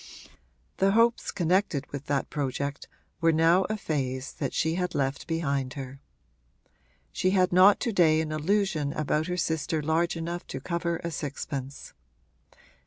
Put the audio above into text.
The hopes connected with that project were now a phase that she had left behind her; she had not to day an illusion about her sister large enough to cover a sixpence.